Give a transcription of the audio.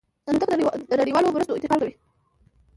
الوتکه د نړیوالو مرستو انتقال کوي.